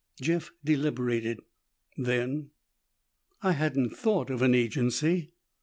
Jeff deliberated. Then, "I hadn't thought of an agency."